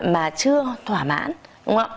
mà chưa thoả mãn